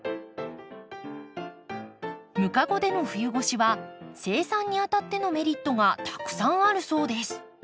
ムカゴでの冬越しは生産にあたってのメリットがたくさんあるそうです。